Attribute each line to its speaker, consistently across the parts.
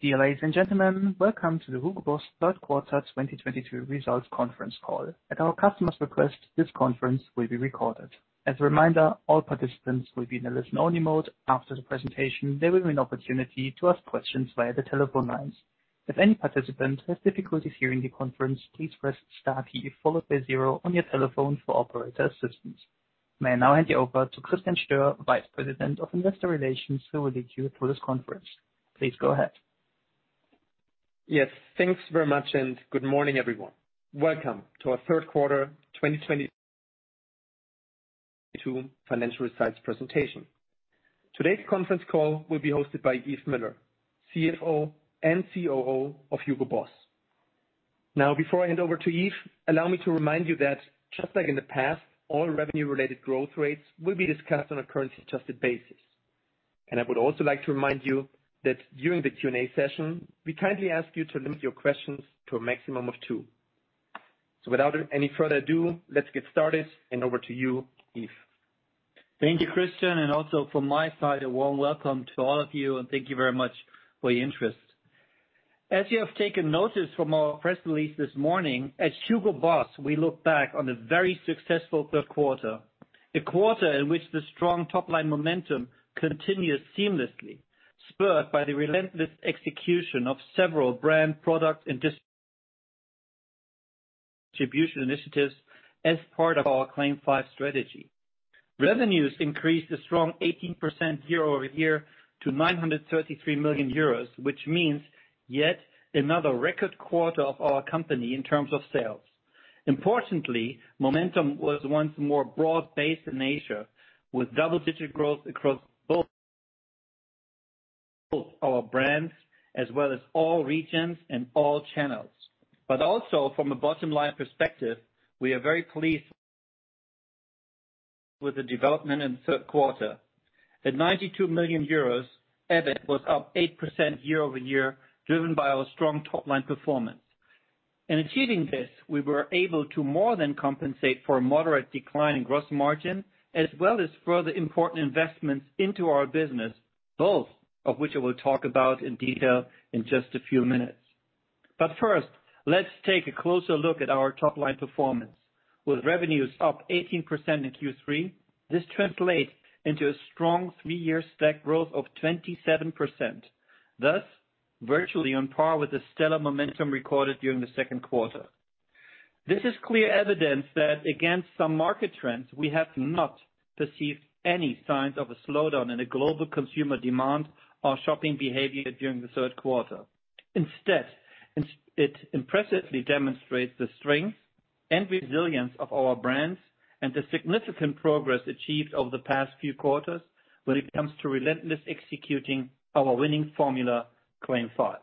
Speaker 1: Dear ladies and gentlemen, welcome to the Hugo Boss third quarter 2022 results conference call. At our customer's request, this conference will be recorded. As a reminder, all participants will be in a listen-only mode. After the presentation, there will be an opportunity to ask questions via the telephone lines. If any participant has difficulty hearing the conference, please press star key followed by zero on your telephone for operator assistance. May I now hand you over to Christian Stöhr, Vice President of Investor Relations, who will lead you through this conference. Please go ahead.
Speaker 2: Yes, thanks very much, and good morning, everyone. Welcome to our third quarter 2022 financial results presentation. Today's conference call will be hosted by Yves Müller, CFO and COO of Hugo Boss. Now, before I hand over to Yves, allow me to remind you that just like in the past, all revenue-related growth rates will be discussed on a currency-adjusted basis. I would also like to remind you that during the Q&A session, we kindly ask you to limit your questions to a maximum of two. Without any further ado, let's get started, and over to you, Yves.
Speaker 3: Thank you, Christian, and also from my side, a warm welcome to all of you and thank you very much for your interest. As you have taken notice from our press release this morning, at Hugo Boss, we look back on a very successful third quarter. The quarter in which the strong top-line momentum continued seamlessly, spurred by the relentless execution of several brand, product, and distribution initiatives as part of our CLAIM 5 strategy. Revenues increased a strong 18% year-over-year to 933 million euros, which means yet another record quarter for our company in terms of sales. Importantly, momentum was once more broad-based in nature, with double-digit growth across both our brands as well as all regions and all channels. Also from a bottom-line perspective, we are very pleased with the development in the third quarter. At 92 million euros, EBIT was up 8% year-over-year, driven by our strong top-line performance. In achieving this, we were able to more than compensate for a moderate decline in gross margin, as well as further important investments into our business, both of which I will talk about in detail in just a few minutes. First, let's take a closer look at our top-line performance. With revenues up 18% in Q3, this translates into a strong three-year stack growth of 27%. Thus, virtually on par with the stellar momentum recorded during the second quarter. This is clear evidence that against some market trends, we have not perceived any signs of a slowdown in the global consumer demand or shopping behavior during the third quarter. Instead, it impressively demonstrates the strength and resilience of our brands and the significant progress achieved over the past few quarters when it comes to relentlessly executing our winning formula, CLAIM five.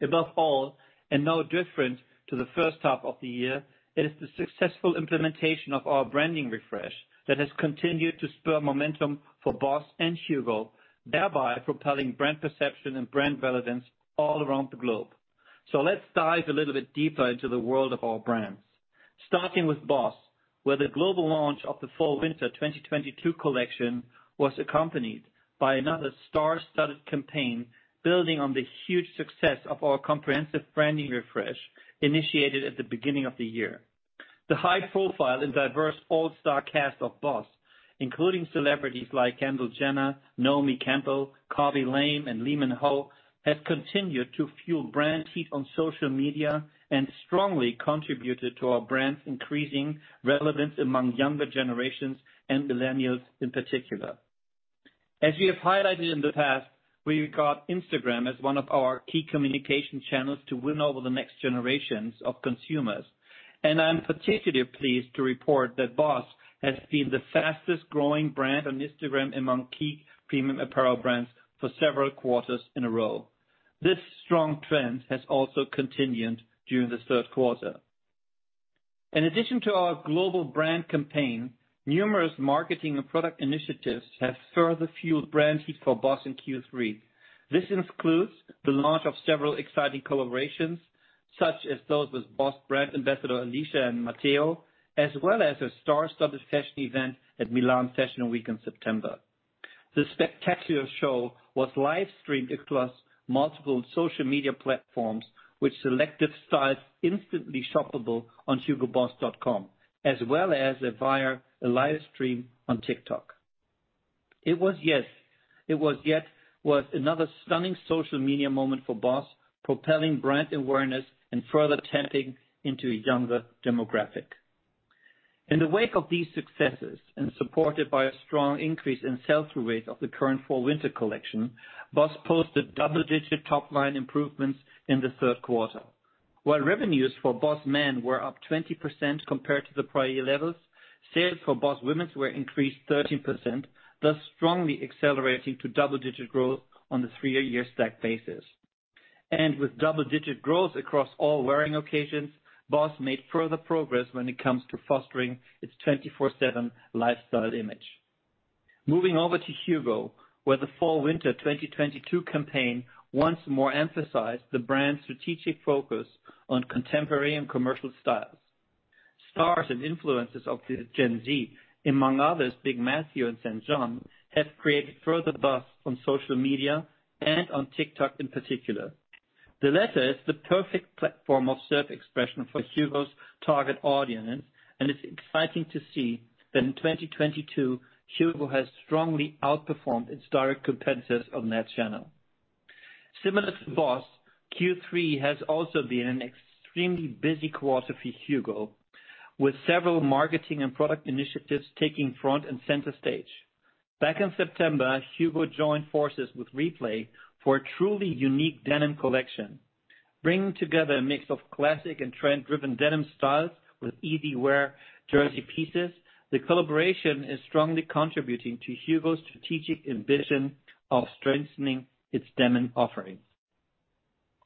Speaker 3: Above all, and no different to the H1 of the year, it is the successful implementation of our branding refresh that has continued to spur momentum for BOSS and HUGO, thereby propelling brand perception and brand relevance all around the globe. Let's dive a little bit deeper into the world of our brands. Starting with BOSS, where the global launch of the fall winter 2022 collection was accompanied by another star-studded campaign building on the huge success of our comprehensive branding refresh initiated at the beginning of the year. The high profile and diverse all-star cast of BOSS, including celebrities like Kendall Jenner, Naomi Campbell, Khaby Lame, and Lee Min-ho, has continued to fuel brand heat on social media and strongly contributed to our brand's increasing relevance among younger generations and millennials in particular. As we have highlighted in the past, we regard Instagram as one of our key communication channels to win over the next generations of consumers. I'm particularly pleased to report that BOSS has been the fastest growing brand on Instagram among key premium apparel brands for several quarters in a row. This strong trend has also continued during the third quarter. In addition to our global brand campaign, numerous marketing and product initiatives have further fueled brand heat for BOSS in Q3. This includes the launch of several exciting collaborations, such as those with BOSS brand ambassador Alica and Matteo, as well as a star-studded fashion event at Milan Fashion Week in September. The spectacular show was live-streamed across multiple social media platforms with selected styles instantly shoppable on hugoboss.com, as well as via a live stream on TikTok. It was yet another stunning social media moment for BOSS, propelling brand awareness and further tapping into a younger demographic. In the wake of these successes, and supported by a strong increase in sell-through rate of the current fall winter collection, BOSS posted double-digit top line improvements in the third quarter. While revenues for BOSS Menswear were up 20% compared to the prior year levels, sales for BOSS Womenswear were increased 13%, thus strongly accelerating to double-digit growth on the three-year stack basis. With double-digit growth across all wearing occasions, BOSS made further progress when it comes to fostering its 24/7 lifestyle image. Moving over to HUGO, where the fall/winter 2022 campaign once more emphasized the brand's strategic focus on contemporary and commercial styles. Stars and influencers of the Gen Z, among others, Big Matthew and SAINt JHN, have created further buzz on social media and on TikTok in particular. The latter is the perfect platform of self-expression for HUGO's target audience, and it's exciting to see that in 2022, HUGO has strongly outperformed its direct competitors on that channel. Similar to BOSS, Q3 has also been an extremely busy quarter for HUGO, with several marketing and product initiatives taking front and center stage. Back in September, HUGO joined forces with Replay for a truly unique denim collection. Bringing together a mix of classic and trend-driven denim styles with easy-wear jersey pieces, the collaboration is strongly contributing to HUGO's strategic ambition of strengthening its denim offering.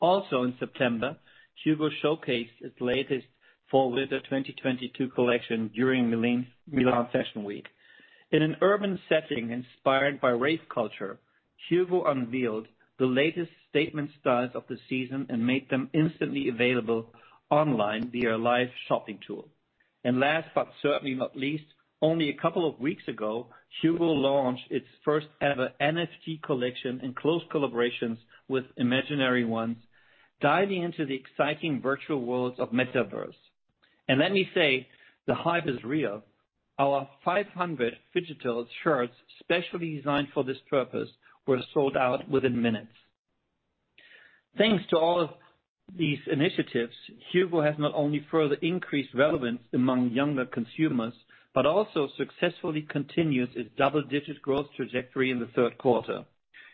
Speaker 3: Also, in September, HUGO showcased its latest fall winter 2022 collection during Milan Fashion Week. In an urban setting inspired by rave culture, HUGO unveiled the latest statement styles of the season and made them instantly available online via live shopping tool. Last but certainly not least, only a couple of weeks ago, HUGO launched its first-ever NFT collection in close collaborations with Imaginary Ones, diving into the exciting virtual worlds of Metaverse. Let me say, the hype is real. Our 500 phygital shirts, specially designed for this purpose, were sold out within minutes. Thanks to all of these initiatives, Hugo has not only further increased relevance among younger consumers, but also successfully continues its double-digit growth trajectory in the third quarter.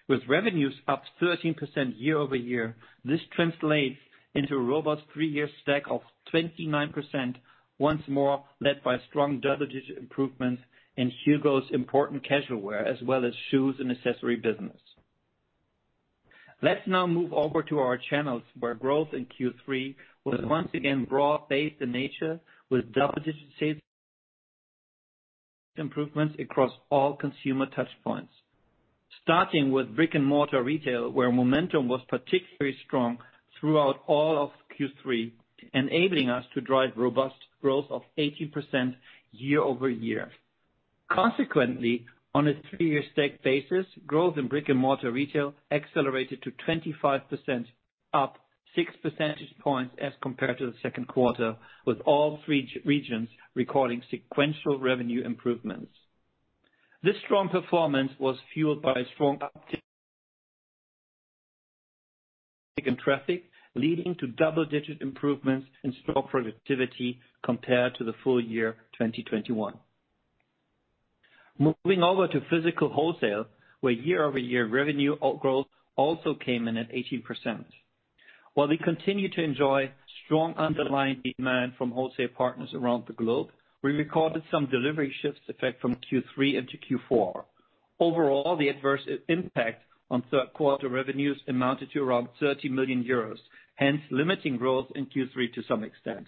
Speaker 3: With revenues up 13% year-over-year, this translates into a robust three-year stack of 29%, once more led by strong double-digit improvements in Hugo's important casual wear, as well as shoes and accessory business. Let's now move over to our channels where growth in Q3 was once again broad-based in nature with double-digit sales improvements across all consumer touch points. Starting with brick-and-mortar retail, where momentum was particularly strong throughout all of Q3, enabling us to drive robust growth of 18% year-over-year. Consequently, on a three-year stack basis, growth in brick-and-mortar retail accelerated to 25% up 6% points as compared to the second quarter, with all three regions recording sequential revenue improvements. This strong performance was fueled by strong uptick in traffic, leading to double-digit improvements in store productivity compared to the full year 2021. Moving over to physical wholesale, where year-over-year revenue growth also came in at 18%. While we continue to enjoy strong underlying demand from wholesale partners around the globe, we recorded some delivery shifts effect from Q3 into Q4. Overall, the adverse impact on third quarter revenues amounted to around 30 million euros, hence limiting growth in Q3 to some extent.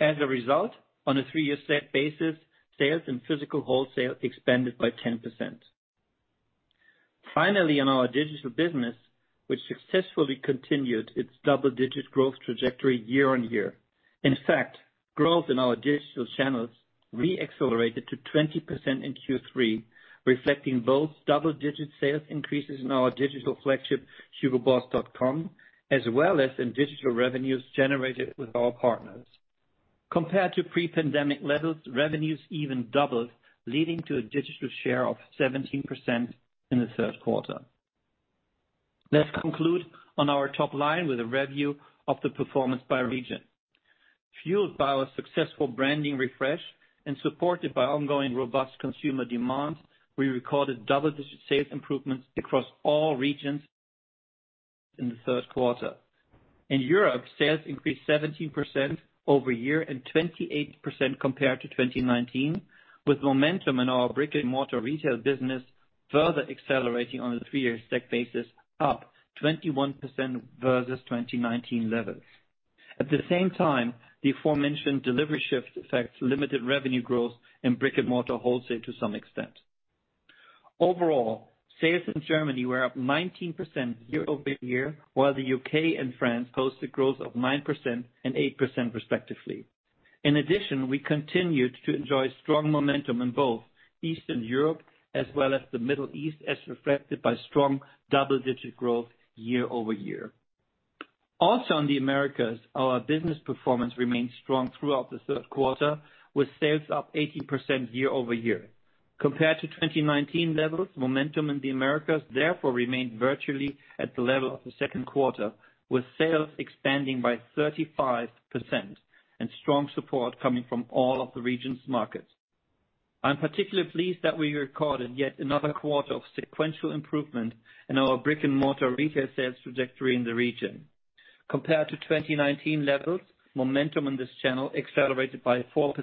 Speaker 3: As a result, on a three-year stacked basis, sales in physical wholesale expanded by 10%. Finally, in our digital business, which successfully continued its double-digit growth trajectory year-on-year. In fact, growth in our digital channels re-accelerated to 20% in Q3, reflecting both double-digit sales increases in our digital flagship, hugoboss.com, as well as in digital revenues generated with our partners. Compared to pre-pandemic levels, revenues even doubled, leading to a digital share of 17% in the third quarter. Let's conclude on our top line with a review of the performance by region. Fueled by our successful branding refresh and supported by ongoing robust consumer demand, we recorded double-digit sales improvements across all regions in the third quarter. In Europe, sales increased 17% year-over-year and 28% compared to 2019, with momentum in our brick-and-mortar retail business further accelerating on a three-year stack basis, up 21% versus 2019 levels. At the same time, the aforementioned delivery shift affected limited revenue growth in brick-and-mortar wholesale to some extent. Overall, sales in Germany were up 19% year-over-year, while the UK and France posted growth of 9% and 8% respectively. In addition, we continued to enjoy strong momentum in both Eastern Europe as well as the Middle East, as reflected by strong double-digit growth year-over-year. Also in the Americas, our business performance remained strong throughout the third quarter, with sales up 18% year-over-year. Compared to 2019 levels, momentum in the Americas therefore remained virtually at the level of the second quarter, with sales expanding by 35% and strong support coming from all of the region's markets. I'm particularly pleased that we recorded yet another quarter of sequential improvement in our brick-and-mortar retail sales trajectory in the region. Compared to 2019 levels, momentum in this channel accelerated by 4%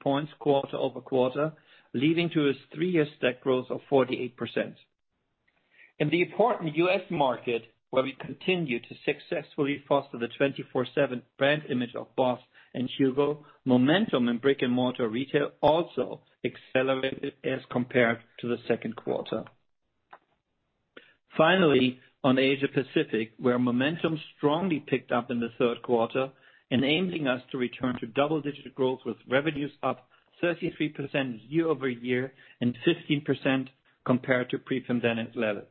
Speaker 3: points quarter-over-quarter, leading to a three-year stack growth of 48%. In the important U.S. market, where we continue to successfully foster the 24/7 brand image of BOSS and HUGO, momentum in brick-and-mortar retail also accelerated as compared to the second quarter. Finally, on Asia Pacific, where momentum strongly picked up in the third quarter and aiming us to return to double-digit growth with revenues up 33% year-over-year and 15% compared to pre-pandemic levels.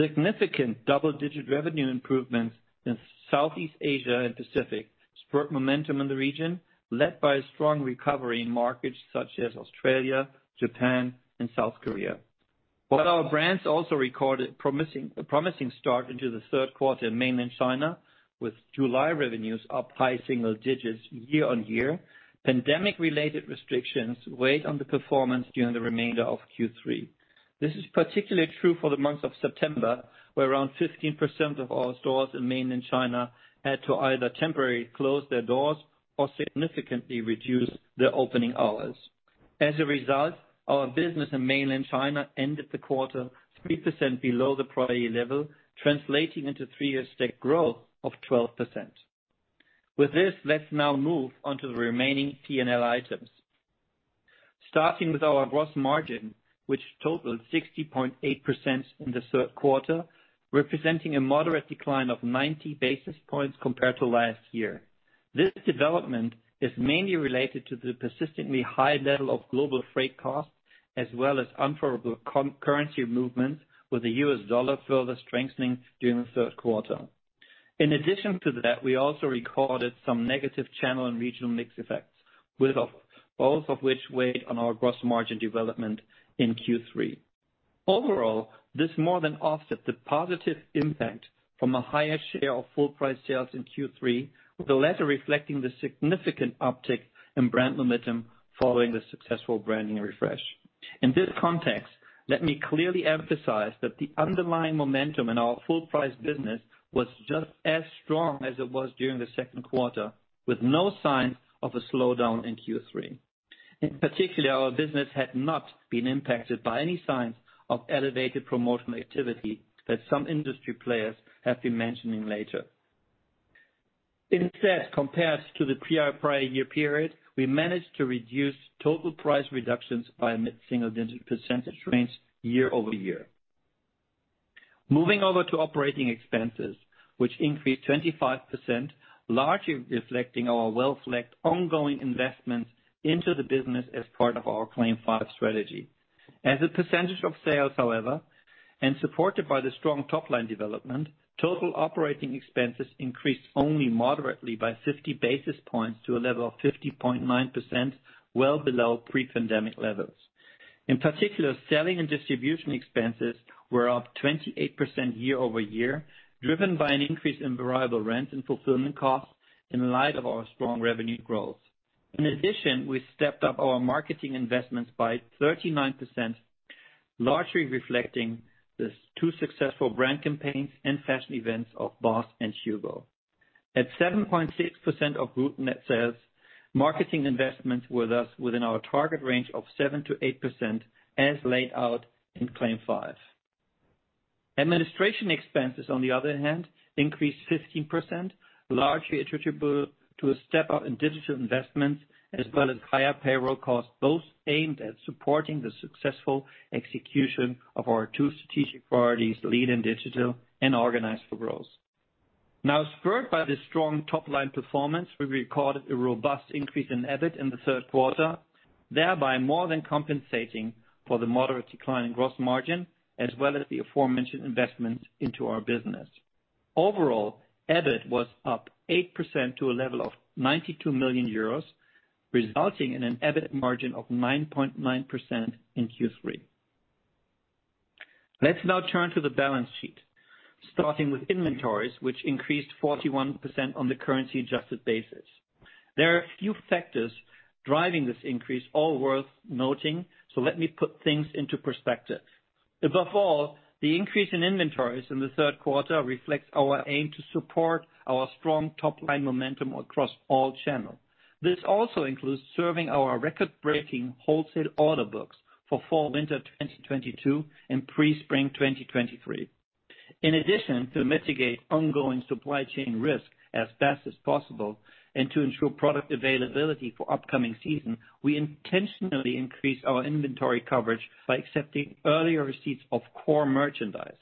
Speaker 3: Significant double-digit revenue improvements in Southeast Asia and Pacific spurred momentum in the region, led by a strong recovery in markets such as Australia, Japan, and South Korea. While our brands also recorded a promising start into the third quarter in mainland China, with July revenues up high single digits year-on-year, pandemic-related restrictions weighed on the performance during the remainder of Q3. This is particularly true for the month of September, where around 15% of our stores in mainland China had to either temporarily close their doors or significantly reduce their opening hours. As a result, our business in mainland China ended the quarter 3% below the prior year level, translating into three-year stacked growth of 12%. With this, let's now move on to the remaining P&L items. Starting with our gross margin, which totaled 60.8% in the third quarter, representing a moderate decline of 90 basis points compared to last year. This development is mainly related to the persistently high level of global freight costs as well as unfavorable currency movements, with the US dollar further strengthening during the third quarter. In addition to that, we also recorded some negative channel and regional mix effects, with both of which weighed on our gross margin development in Q3. Overall, this more than offset the positive impact from a higher share of full price sales in Q3, with the latter reflecting the significant uptick in brand momentum following the successful branding refresh. In this context, let me clearly emphasize that the underlying momentum in our full price business was just as strong as it was during the second quarter, with no sign of a slowdown in Q3. In particular, our business had not been impacted by any signs of elevated promotional activity that some industry players have been mentioning later. Instead, compared to the prior prior year period, we managed to reduce total price reductions by a mid-single-digit percentage range year-over-year. Moving over to operating expenses, which increased 25%, largely reflecting our well-selected ongoing investments into the business as part of our CLAIM five strategy. As a percentage of sales, however, and supported by the strong top-line development, total operating expenses increased only moderately by 50 basis points to a level of 50.9%, well below pre-pandemic levels. In particular, selling and distribution expenses were up 28% year-over-year, driven by an increase in variable rent and fulfillment costs in light of our strong revenue growth. In addition, we stepped up our marketing investments by 39%, largely reflecting the two successful brand campaigns and fashion events of BOSS and HUGO. At 7.6% of group net sales, marketing investments were thus within our target range of 7%-8%, as laid out in CLAIM 5. Administration expenses, on the other hand, increased 15%, largely attributable to a step up in digital investments as well as higher payroll costs, both aimed at supporting the successful execution of our two strategic priorities, lean and digital, and organize for growth. Now, spurred by the strong top-line performance, we recorded a robust increase in EBIT in the third quarter, thereby more than compensating for the moderate decline in gross margin as well as the aforementioned investments into our business. Overall, EBIT was up 8% to a level of 92 million euros, resulting in an EBIT margin of 9.9% in Q3. Let's now turn to the balance sheet, starting with inventories, which increased 41% on the currency-adjusted basis. There are a few factors driving this increase, all worth noting, so let me put things into perspective. Above all, the increase in inventories in the third quarter reflects our aim to support our strong top-line momentum across all channels. This also includes serving our record-breaking wholesale order books for fall winter 2022 and pre-spring 2023. In addition, to mitigate ongoing supply chain risk as best as possible and to ensure product availability for upcoming season, we intentionally increase our inventory coverage by accepting earlier receipts of core merchandise.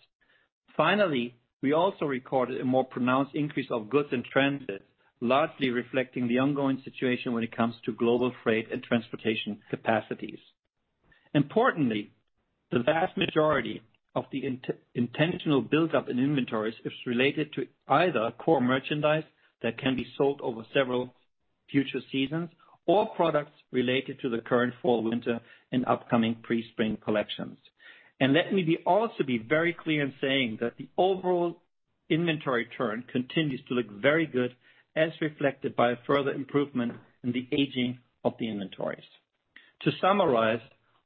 Speaker 3: Finally, we also recorded a more pronounced increase of goods in transit, largely reflecting the ongoing situation when it comes to global freight and transportation capacities. Importantly, the vast majority of the intentional buildup in inventories is related to either core merchandise that can be sold over several future seasons or products related to the current fall, winter and upcoming pre-spring collections. Let me be also very clear in saying that the overall inventory turn continues to look very good, as reflected by a further improvement in the aging of the inventories. To summarize,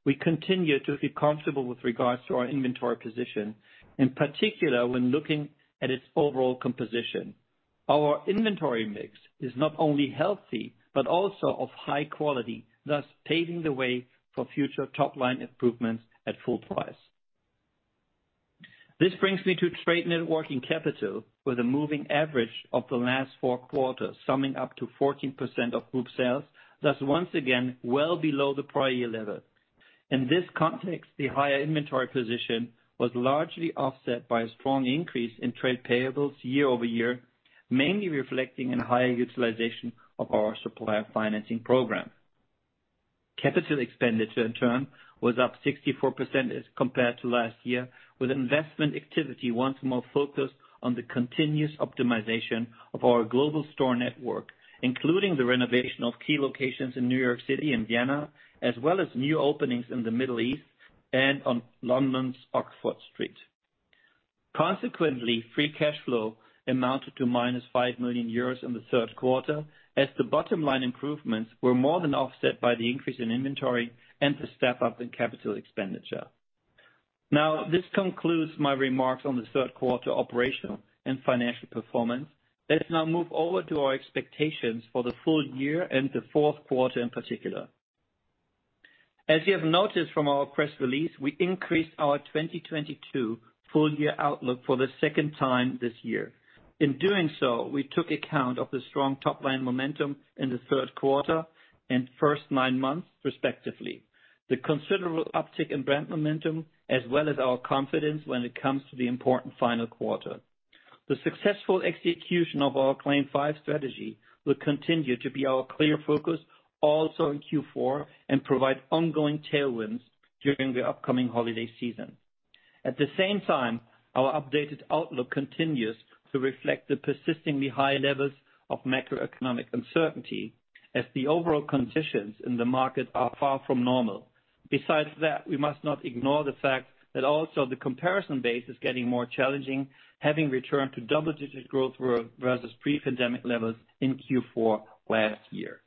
Speaker 3: we continue to feel comfortable with regards to our inventory position, in particular when looking at its overall composition. Our inventory mix is not only healthy, but also of high quality, thus paving the way for future top-line improvements at full price. This brings me to trade net working capital with a moving average of the last four quarters, summing up to 14% of group sales. Thus, once again, well below the prior year level. In this context, the higher inventory position was largely offset by a strong increase in trade payables year-over-year, mainly reflecting in higher utilization of our supplier financing program. Capital expenditure in turn was up 64% as compared to last year, with investment activity once more focused on the continuous optimization of our global store network, including the renovation of key locations in New York City and Vienna, as well as new openings in the Middle East and on London's Oxford Street. Consequently, free cash flow amounted to -5 million euros in the third quarter as the bottom-line improvements were more than offset by the increase in inventory and the step up in capital expenditure. Now, this concludes my remarks on the third quarter operational and financial performance. Let's now move over to our expectations for the full year and the fourth quarter in particular. As you have noticed from our press release, we increased our 2022 full year outlook for the second time this year. In doing so, we took account of the strong top-line momentum in the third quarter and first nine months respectively, the considerable uptick in brand momentum, as well as our confidence when it comes to the important final quarter. The successful execution of our CLAIM five strategy will continue to be our clear focus also in Q4 and provide ongoing tailwinds during the upcoming holiday season. At the same time, our updated outlook continues to reflect the persistently high levels of macroeconomic uncertainty as the overall conditions in the market are far from normal. Besides that, we must not ignore the fact that also the comparison base is getting more challenging, having returned to double-digit growth versus pre-pandemic levels in Q4 last year.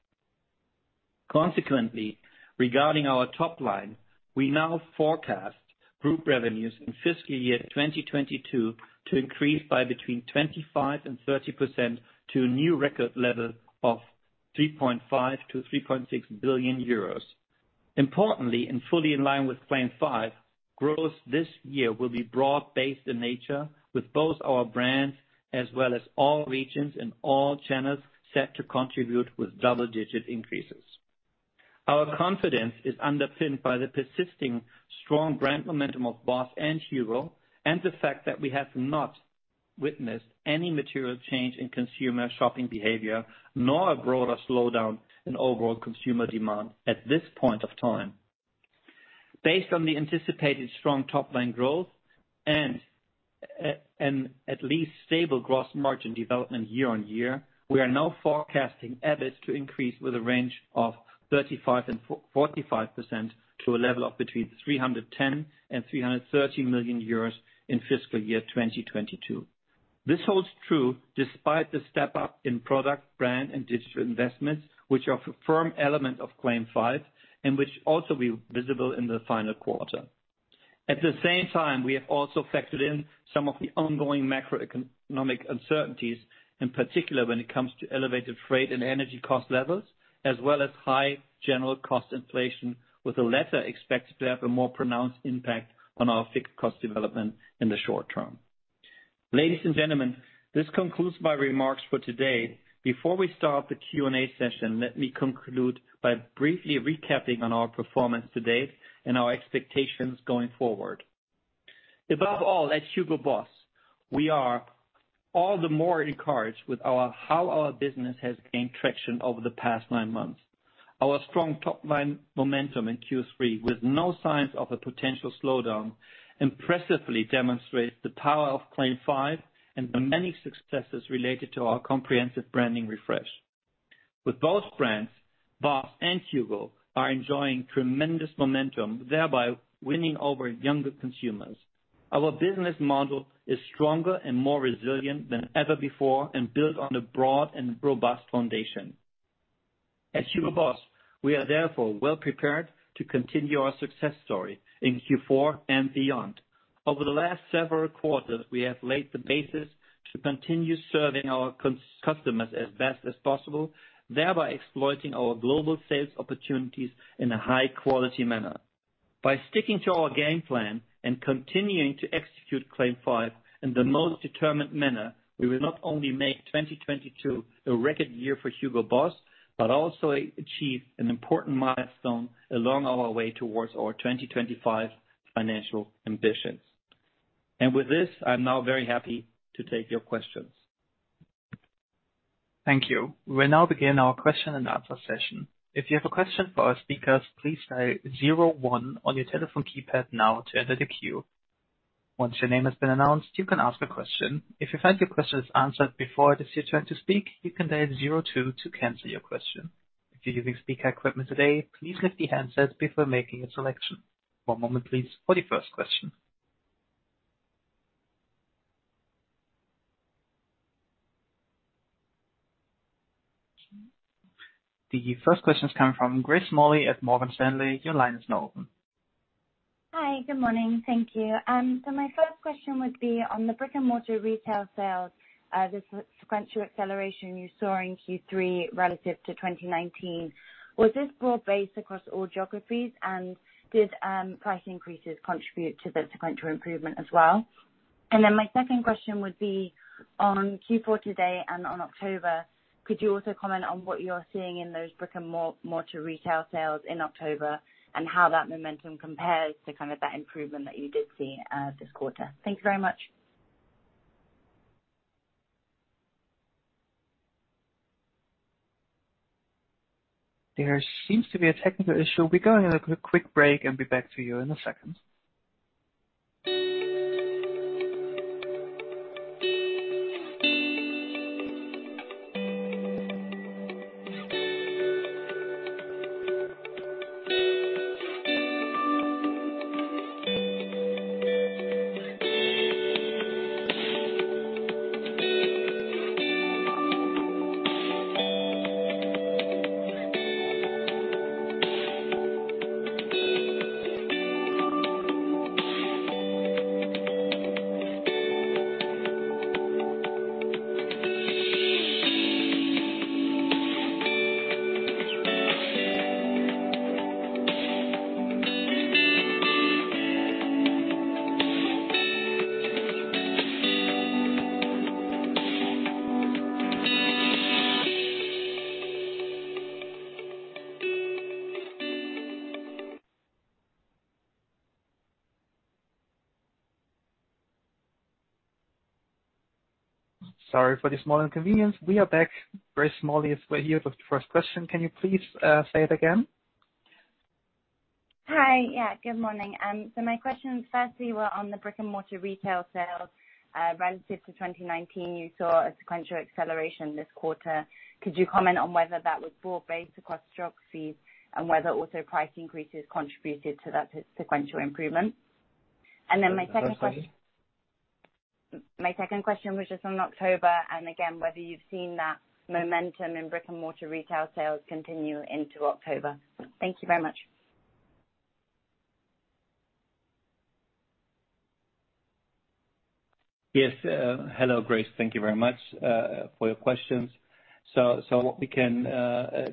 Speaker 3: Consequently, regarding our top line, we now forecast group revenues in fiscal year 2022 to increase by between 25% and 30% to a new record level of 3.5 billion-3.6 billion euros. Importantly, and fully in line with CLAIM five, growth this year will be broad-based in nature with both our brands as well as all regions and all channels set to contribute with double-digit increases. Our confidence is underpinned by the persisting strong brand momentum of BOSS and HUGO, and the fact that we have not witnessed any material change in consumer shopping behavior, nor a broader slowdown in overall consumer demand at this point of time. Based on the anticipated strong top-line growth and and at least stable gross margin development year on year, we are now forecasting EBIT to increase with a range of 35%-45% to a level of between 310 million and 330 million euros in fiscal year 2022. This holds true despite the step up in product, brand, and digital investments, which are a firm element of CLAIM 5 and which also will be visible in the final quarter. At the same time, we have also factored in some of the ongoing macroeconomic uncertainties, in particular when it comes to elevated freight and energy cost levels, as well as high general cost inflation, with the latter expected to have a more pronounced impact on our fixed cost development in the short term. Ladies and gentlemen, this concludes my remarks for today. Before we start the Q&A session, let me conclude by briefly recapping on our performance to date and our expectations going forward. Above all, at Hugo Boss, we are all the more encouraged with how our business has gained traction over the past nine months. Our strong top-line momentum in Q3, with no signs of a potential slowdown, impressively demonstrates the power of CLAIM 5 and the many successes related to our comprehensive branding refresh. With both brands, BOSS and HUGO are enjoying tremendous momentum, thereby winning over younger consumers. Our business model is stronger and more resilient than ever before and built on a broad and robust foundation. At Hugo Boss, we are therefore well prepared to continue our success story in Q4 and beyond. Over the last several quarters, we have laid the basis to continue serving our customers as best as possible, thereby exploiting our global sales opportunities in a high quality manner. By sticking to our game plan and continuing to execute CLAIM five in the most determined manner, we will not only make 2022 a record year for Hugo Boss, but also achieve an important milestone along our way towards our 2025 financial ambitions. With this, I'm now very happy to take your questions.
Speaker 1: Thank you. We will now begin our question and answer session. If you have a question for our speakers, please dial zero one on your telephone keypad now to enter the queue. Once your name has been announced, you can ask a question. If you find your question is answered before it is your turn to speak, you can dial zero two to cancel your question. If you're using speaker equipment today, please lift the handsets before making a selection. One moment please for the first question. The first question is coming from Grace Sherwood at Morgan Stanley. Your line is now open.
Speaker 4: Hi, good morning. Thank you. My first question would be on the brick-and-mortar retail sales, the sequential acceleration you saw in Q3 relative to 2019. Was this broad-based across all geographies? Did price increases contribute to the sequential improvement as well? My second question would be on Q4 to date and on October. Could you also comment on what you're seeing in those brick-and-mortar retail sales in October and how that momentum compares to kind of that improvement that you did see, this quarter? Thank you very much.
Speaker 1: There seems to be a technical issue. We're going on a quick break and be back to you in a second. Sorry for the small inconvenience. We are back. Grace Sherwood is here with the first question. Can you please say it again?
Speaker 4: Hi. Yeah, good morning. My questions firstly were on the brick-and-mortar retail sales. Relative to 2019, you saw a sequential acceleration this quarter. Could you comment on whether that was broad-based across geographies and whether also price increases contributed to that sequential improvement? My second question was just on October, and again, whether you've seen that momentum in brick-and-mortar retail sales continue into October. Thank you very much.
Speaker 3: Yes. Hello, Grace. Thank you very much for your questions. We can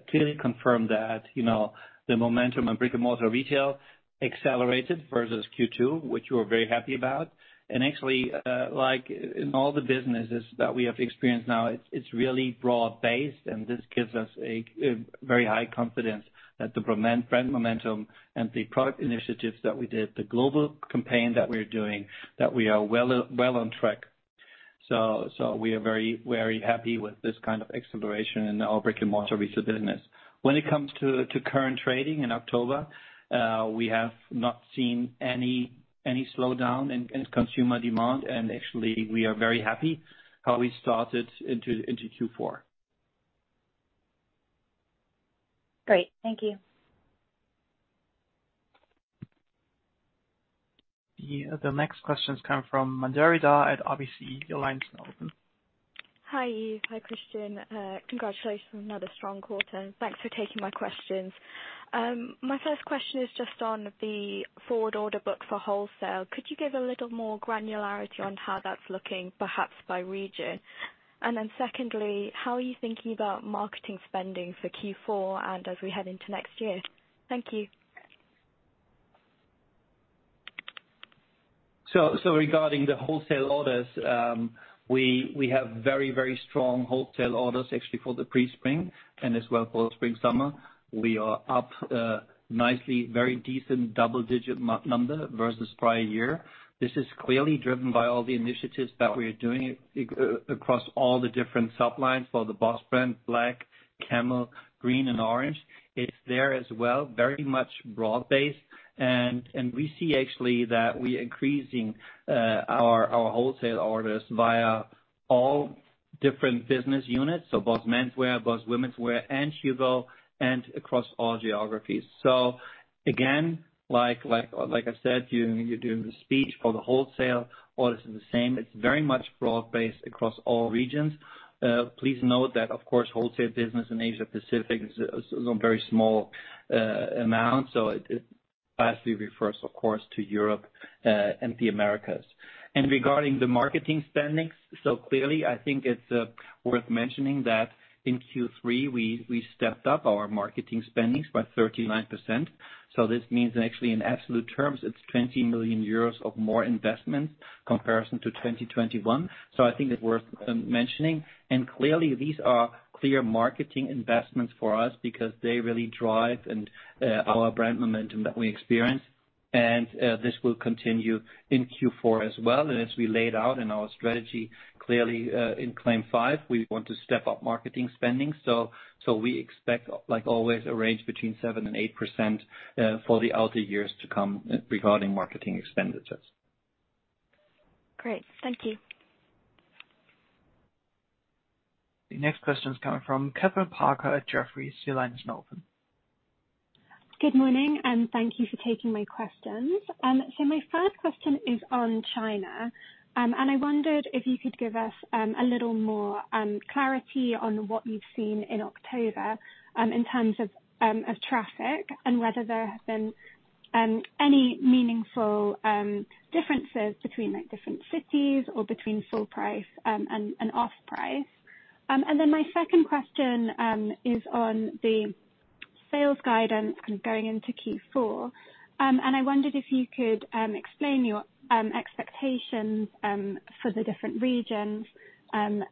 Speaker 3: clearly confirm that, you know, the momentum in brick-and-mortar retail accelerated versus Q2, which we're very happy about. Actually, like in all the businesses that we have experienced now, it's really broad-based, and this gives us a very high confidence that the brand momentum and the product initiatives that we did, the global campaign that we're doing, that we are well on track. We are very happy with this kind of acceleration in our brick-and-mortar retail business. When it comes to current trading in October, we have not seen any slowdown in consumer demand. Actually, we are very happy how we started into Q4.
Speaker 4: Great. Thank you.
Speaker 1: The next questions come from Piral Dadhania at RBC. Your line is now open.
Speaker 5: Hi. Hi, Christian. Congratulations on another strong quarter. Thanks for taking my questions. My first question is just on the forward order book for wholesale. Could you give a little more granularity on how that's looking, perhaps by region? Secondly, how are you thinking about marketing spending for Q4 and as we head into next year? Thank you.
Speaker 3: Regarding the wholesale orders, we have very strong wholesale orders actually for the pre-spring and as well for spring/summer. We are up nicely, very decent double-digit number versus prior year. This is clearly driven by all the initiatives that we are doing across all the different sublines for the BOSS brand, BOSS Black, BOSS Camel, BOSS Green, and BOSS Orange. It's there as well, very much broad-based. And we see actually that we're increasing our wholesale orders via all different business units, so BOSS Menswear, BOSS Womenswear, and HUGO, and across all geographies. Again, like I said during the speech, for the wholesale orders is the same. It's very much broad-based across all regions. Please note that, of course, wholesale business in Asia Pacific is a very small amount, so it actually refers of course to Europe and the Americas. Regarding the marketing spending, clearly, I think it's worth mentioning that in Q3 we stepped up our marketing spending by 39%. This means actually in absolute terms, it's 20 million euros more investment compared to 2021. I think it's worth mentioning. Clearly, these are clear marketing investments for us because they really drive our brand momentum that we experience, and this will continue in Q4 as well. As we laid out in our strategy, clearly, in CLAIM 5, we want to step up marketing spending. We expect, like always, a range between 7% and 8% for the outer years to come regarding marketing expenditures.
Speaker 5: Great. Thank you.
Speaker 1: The next question is coming from Kathryn Parker at Jefferies. Your line is now open.
Speaker 6: Good morning, thank you for taking my questions. My first question is on China. I wondered if you could give us a little more clarity on what you've seen in October, in terms of traffic and whether there have been any meaningful differences between like different cities or between full price and off price. My second question is on the- Sales guidance going into Q4. I wondered if you could explain your expectations for the different regions, and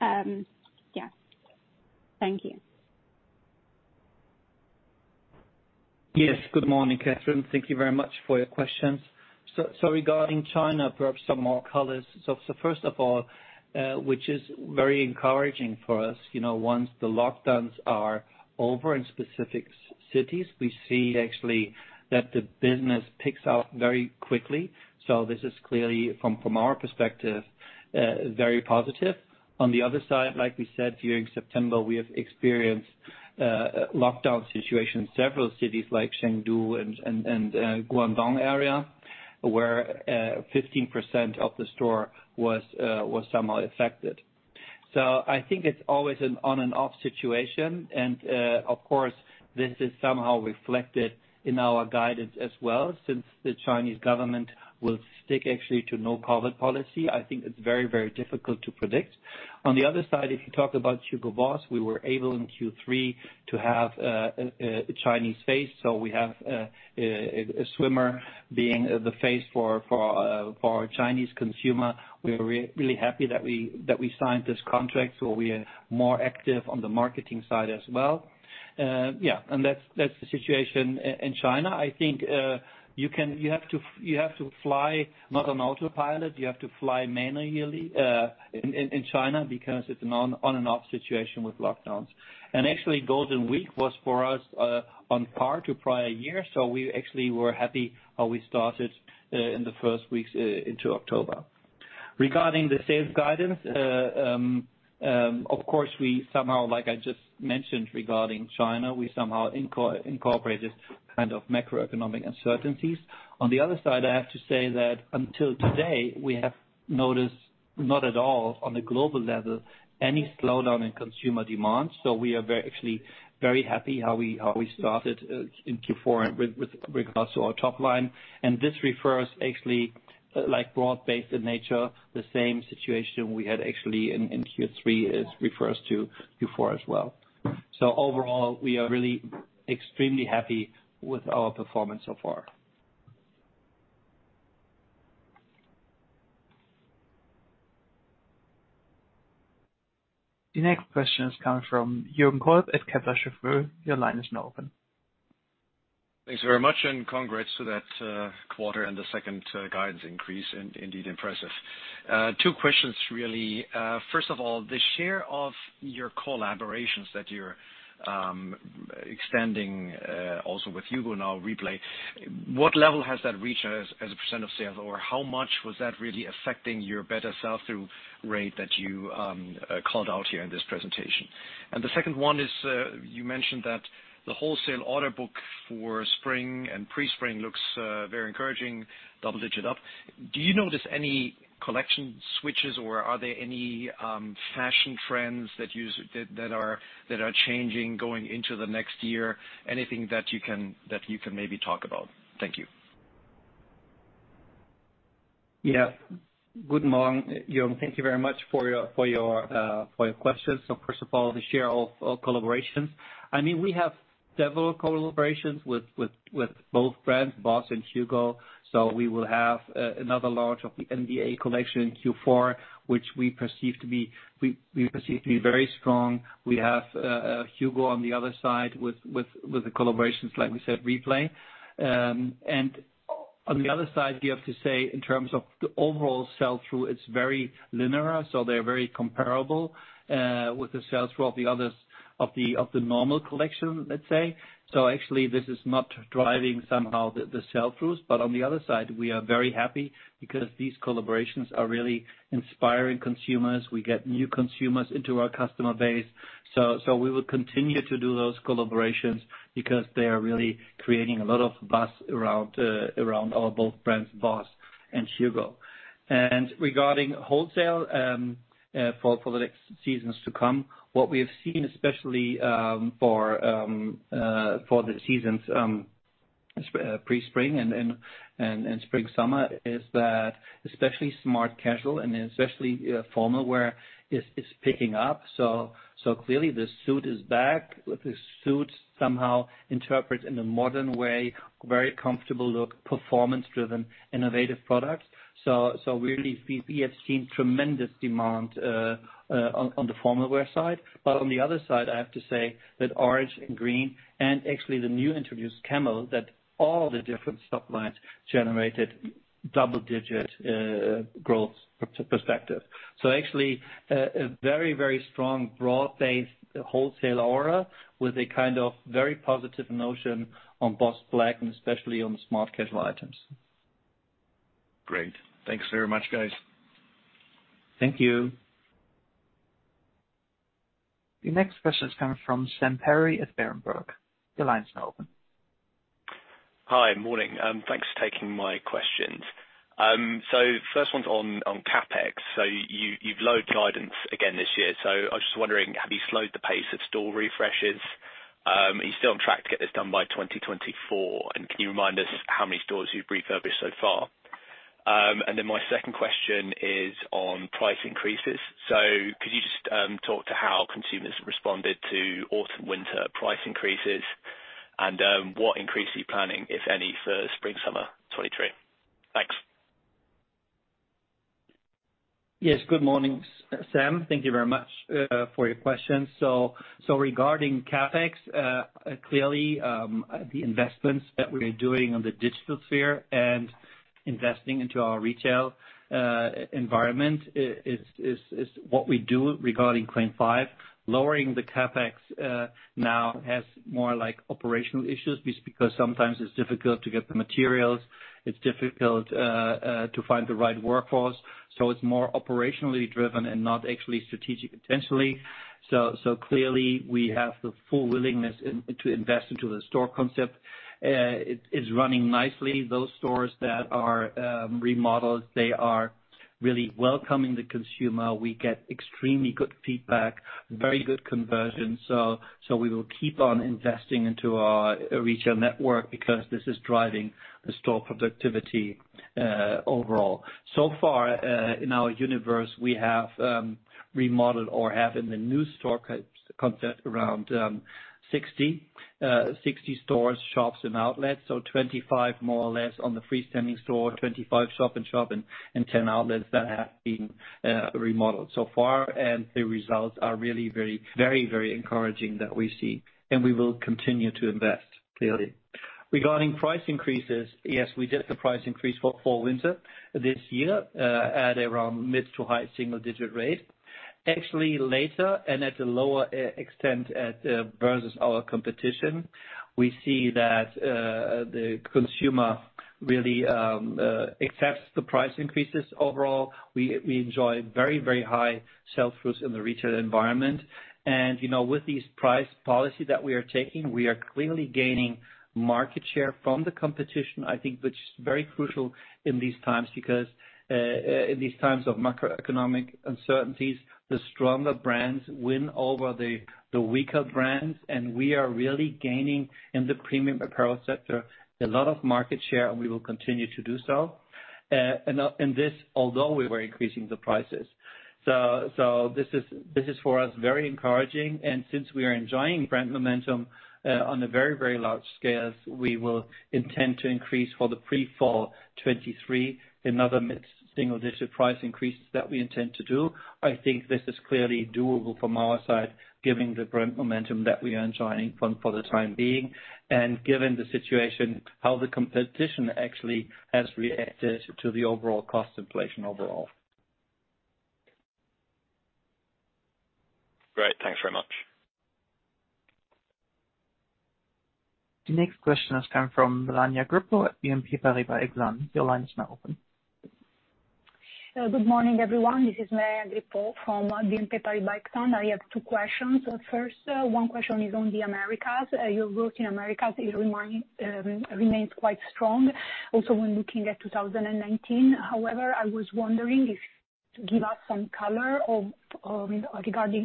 Speaker 6: yeah. Thank you.
Speaker 3: Yes, good morning, Kathryn. Thank you very much for your questions. Regarding China, perhaps some more colors. First of all, which is very encouraging for us, you know, once the lockdowns are over in specific cities, we see actually that the business picks up very quickly. This is clearly from our perspective, very positive. On the other side, like we said, here in September, we have experienced lockdown situations, several cities like Chengdu and Guangdong area, where 15% of the store was somehow affected. I think it's always an on-and-off situation. Of course, this is somehow reflected in our guidance as well, since the Chinese government will stick actually to no COVID policy. I think it's very difficult to predict. On the other side, if you talk about Hugo Boss, we were able in Q3 to have a Chinese face. So we have a swimmer being the face for our Chinese consumer. We're really happy that we signed this contract, so we are more active on the marketing side as well. That's the situation in China. I think you have to fly not on autopilot, you have to fly manually in China because it's an on-and-off situation with lockdowns. Actually, Golden Week was for us on par to prior years. We actually were happy how we started in the first weeks into October. Regarding the sales guidance, of course, we somehow, like I just mentioned regarding China, we somehow incorporate this kind of macroeconomic uncertainties. On the other side, I have to say that until today, we have noticed, not at all on a global level, any slowdown in consumer demand. We are very, actually very happy how we started in Q4 with regards to our top line. This refers actually, like broad-based in nature, the same situation we had actually in Q3, it refers to Q4 as well. Overall, we are really extremely happy with our performance so far.
Speaker 1: The next question is coming from Jürgen Kolb at Kepler Cheuvreux. Your line is now open.
Speaker 7: Thanks very much, and congrats to that quarter and the second guidance increase, indeed impressive. Two questions, really. First of all, the share of your collaborations that you're extending also with HUGO now Replay, what level has that reached as a % of sales? Or how much was that really affecting your better sell-through rate that you called out here in this presentation? The second one is, you mentioned that the wholesale order book for spring and pre-spring looks very encouraging, double-digit up. Do you notice any collection switches, or are there any fashion trends that are changing going into the next year? Anything that you can maybe talk about? Thank you.
Speaker 3: Yeah. Good morning, Jürgen. Thank you very much for your questions. First of all, the share of collaborations. I mean, we have several collaborations with both brands, BOSS and HUGO. We will have another launch of the NBA collection in Q4, which we perceive to be very strong. We have HUGO on the other side with the collaborations, like we said, Replay. On the other side, we have to say, in terms of the overall sell-through, it's very linear, so they're very comparable with the sales of the others, of the normal collection, let's say. Actually, this is not driving somehow the sell-throughs. On the other side, we are very happy because these collaborations are really inspiring consumers. We get new consumers into our customer base. We will continue to do those collaborations because they are really creating a lot of buzz around our both brands, BOSS and HUGO. Regarding wholesale, for the next seasons to come, what we have seen, especially for the seasons, pre-spring and spring-summer, is that especially smart casual and especially formal wear is picking up. Clearly the suit is back. With the suit somehow interpreted in a modern way, very comfortable look, performance-driven, innovative products. We really have seen tremendous demand on the formal wear side. On the other side, I have to say that BOSS Orange and BOSS Green, and actually the new introduced BOSS Camel, that all the different supplies generated double-digit growth respectively. Actually, a very strong broad-based wholesale order with a kind of very positive notion on BOSS Black and especially on smart casual items.
Speaker 7: Great. Thanks very much, guys.
Speaker 3: Thank you.
Speaker 1: The next question is coming from Samuel Perry at Berenberg. Your line is now open.
Speaker 8: Hi. Morning. Thanks for taking my questions. First one's on CapEx. You've lowered guidance again this year. I was just wondering, have you slowed the pace of store refreshes? Are you still on track to get this done by 2024? And can you remind us how many stores you've refurbished so far? And then my second question is on price increases. Could you just talk to how consumers responded to autumn/winter price increases and what increase are you planning, if any, for spring/summer 2023? Thanks.
Speaker 3: Yes. Good morning, Sam. Thank you very much for your questions. Regarding CapEx, clearly, the investments that we are doing on the digital sphere and investing into our retail environment is what we do regarding CLAIM 5. Lowering the CapEx now has more like operational issues because sometimes it's difficult to get the materials, it's difficult to find the right workforce. It's more operationally driven and not actually strategic intentionally. Clearly we have the full willingness to invest into the store concept. It is running nicely. Those stores that are remodeled, they are really welcoming the consumer. We get extremely good feedback, very good conversion. We will keep on investing into our retail network because this is driving the store productivity overall. So far, in our universe, we have remodeled or have in the new store concept around 60 stores, shops, and outlets. Twenty-five more or less on the freestanding store, 25 shop-in-shop, and 10 outlets that have been remodeled so far. The results are really very encouraging that we see, and we will continue to invest, clearly. Regarding price increases, yes, we did the price increase for fall/winter this year at around mid- to high single-digit rate. Actually, later and at a lower extent versus our competition, we see that the consumer really accepts the price increases overall. We enjoy very high sell-throughs in the retail environment. You know, with this price policy that we are taking, we are clearly gaining market share from the competition, I think, which is very crucial in these times because in these times of macroeconomic uncertainties, the stronger brands win over the weaker brands. We are really gaining in the premium apparel sector a lot of market share, and we will continue to do so. This although we were increasing the prices. This is for us very encouraging. Since we are enjoying brand momentum on a very large scale, we will intend to increase for the pre-fall 2023 another mid-single digit price increases that we intend to do. I think this is clearly doable from our side, given the brand momentum that we are enjoying for the time being, and given the situation, how the competition actually has reacted to the overall cost inflation.
Speaker 8: Great. Thanks very much.
Speaker 1: The next question is coming from Melania Grippo at BNP Paribas Exane. Your line is now open.
Speaker 9: Good morning, everyone. This is Melania Grippo from BNP Paribas Exane. I have two questions. First, one question is on the Americas. Your growth in Americas remains quite strong also when looking at 2019. However, I was wondering if you could give us some color on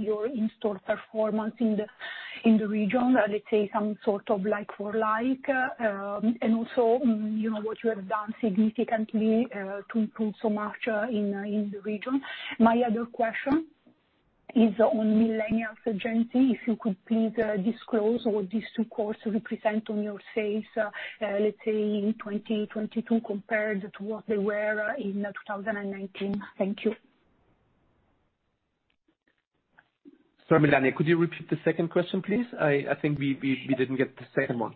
Speaker 9: your in-store performance in the region, let's say some sort of like-for-like, and also, you know, what you have done significantly to improve so much in the region. My other question is on millennials Gen Z, if you could please disclose what these two cohorts represent on your sales, let's say in 2022 compared to what they were in 2019. Thank you.
Speaker 3: Sorry, Melania, could you repeat the second question, please? I think we didn't get the second one.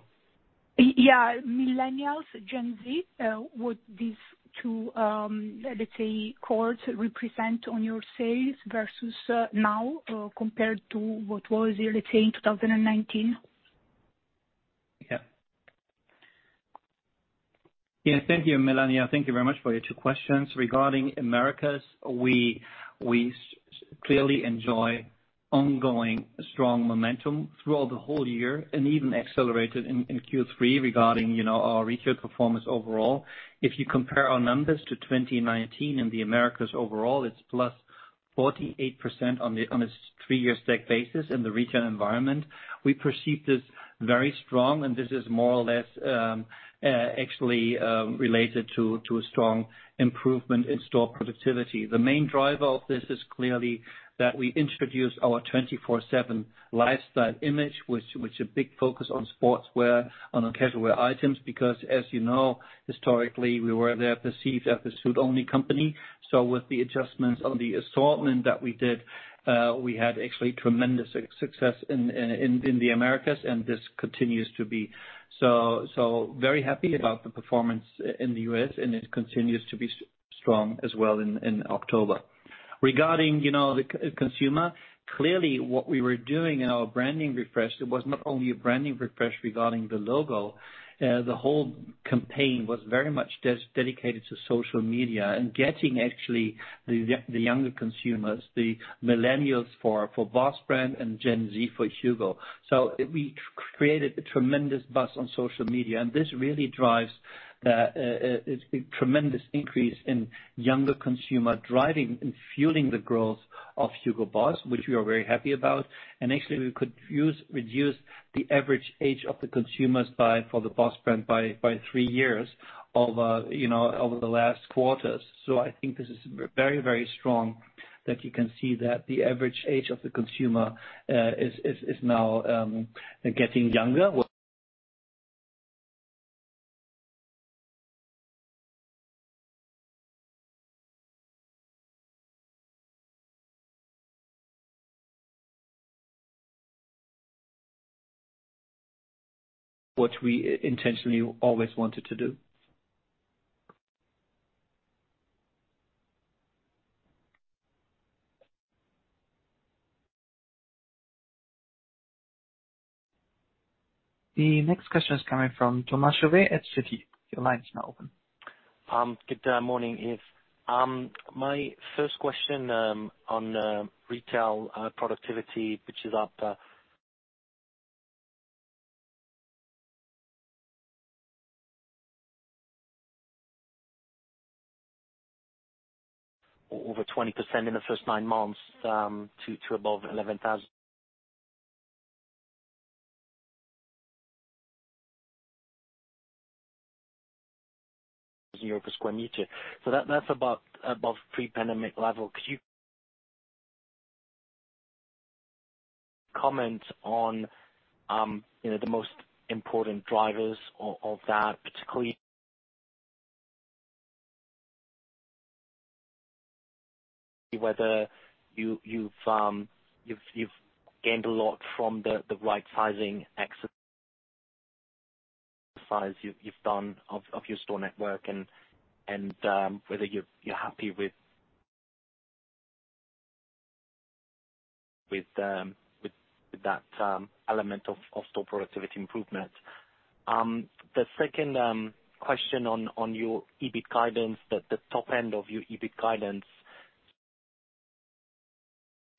Speaker 9: Yeah. Millennials, Gen Z, what these two, let's say cohorts represent on your sales versus now compared to what was your, let's say, in 2019.
Speaker 3: Yes, thank you, Melania. Thank you very much for your two questions. Regarding Americas, we clearly enjoy ongoing strong momentum throughout the whole year and even accelerated in Q3 regarding, you know, our retail performance overall. If you compare our numbers to 2019 in the Americas overall, it's +48% on a three-year stack basis in the retail environment. We perceive this very strong, and this is more or less, actually, related to a strong improvement in store productivity. The main driver of this is clearly that we introduced our 24/7 lifestyle image, with a big focus on sportswear, on our casual wear items, because as you know, historically, we were there perceived as a suit-only company. With the adjustments on the assortment that we did, we had actually tremendous success in the Americas, and this continues to be so very happy about the performance in the US, and it continues to be strong as well in October. Regarding the consumer, clearly what we were doing in our branding refresh, it was not only a branding refresh regarding the logo. The whole campaign was very much dedicated to social media and getting actually the younger consumers, the millennials for BOSS brand and Gen Z for HUGO. We created a tremendous buzz on social media, and this really drives a tremendous increase in younger consumers driving and fueling the growth of Hugo Boss, which we are very happy about. Actually, we could reduce the average age of the consumers by three years for the BOSS brand over the last quarters. I think this is very strong that you can see that the average age of the consumer is now getting younger. What we intentionally always wanted to do.
Speaker 1: The next question is coming from Thomas Chauvet at Citi. Your line is now open.
Speaker 10: Good morning, Yves. My first question on retail productivity, which is up over 20% in the first nine months to above 11,000 EUR per square meter. So that's about above pre-pandemic level. Could you comment on, you know, the most important drivers of that, particularly whether you've gained a lot from the right sizing exercise you've done of your store network, and whether you're happy with that element of store productivity improvement. The second question on your EBIT guidance, the top end of your EBIT guidance,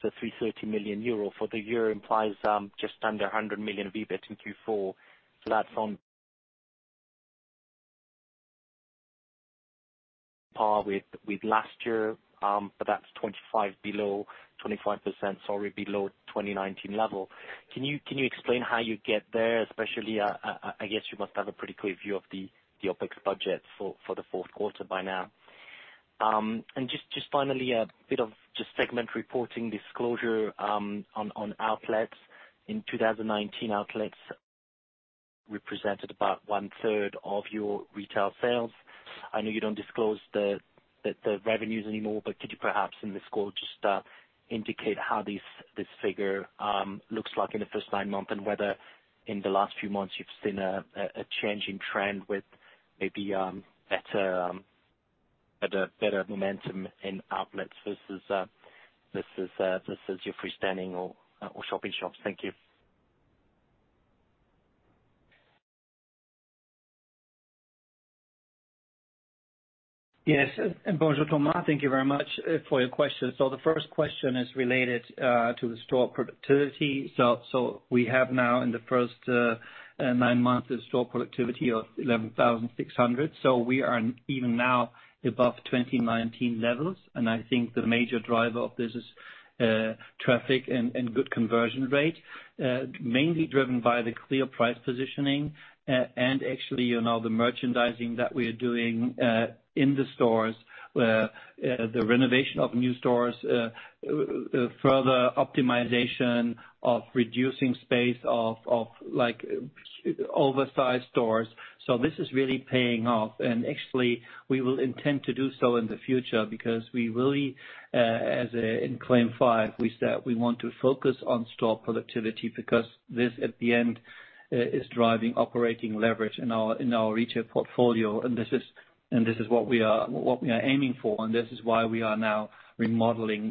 Speaker 10: the 330 million euro for the year implies just under 100 million EUR of EBIT in Q4. That's on par with last year, but that's 25% below 2019 level. Can you explain how you get there? Especially, I guess you must have a pretty clear view of the OPEX budget for the fourth quarter by now. Just finally, a bit of segment reporting disclosure on outlets. In 2019, outlets represented about 1/3 of your retail sales. I know you don't disclose the revenues anymore, but could you perhaps in this call just indicate how this figure looks like in the first nine months and whether in the last few months you've seen a change in trend with maybe better momentum in outlets versus your freestanding or shopping shops? Thank you.
Speaker 3: Yes. Bonjour, Thomas Chauvet. Thank you very much for your question. The first question is related to the store productivity. We have now in the first nine months a store productivity of 11,600. We are even now above 2019 levels. I think the major driver of this is traffic and good conversion rate, mainly driven by the clear price positioning, and actually, you know, the merchandising that we are doing in the stores, the renovation of new stores, further optimization of reducing space of like oversized stores. This is really paying off. Actually, we will intend to do so in the future because we really, as in CLAIM 5, we said we want to focus on store productivity because this at the end is driving operating leverage in our retail portfolio. This is what we are aiming for, and this is why we are now remodeling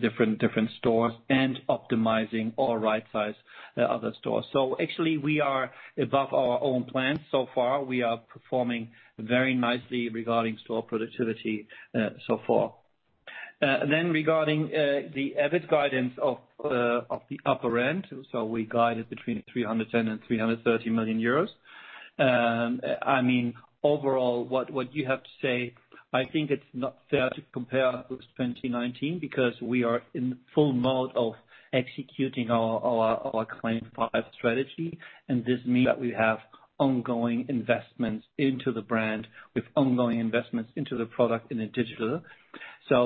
Speaker 3: different stores and optimizing or right-size the other stores. Actually we are above our own plans so far. We are performing very nicely regarding store productivity so far. Then regarding the EBIT guidance of the upper end, we guided between 310 million and 330 million euros. I mean, overall, what you have to say, I think it's not fair to compare with 2019 because we are in full mode of executing our Claim 5 strategy, and this means that we have ongoing investments into the brand with ongoing investments into the product and digital.